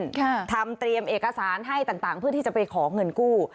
ค่ะทำเตรียมเอกสารให้ต่างต่างเพื่อที่จะไปขอเงินกู้